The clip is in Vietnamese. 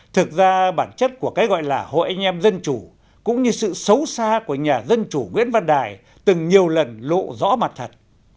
thực ra bản chất của cái gọi là hội anh em dân chủ cũng như sự xấu xa của nhà dân chủ nguyễn văn đài từng nhiều lần lộ rõ mặt thật